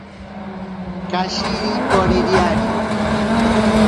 Kashiri poririari.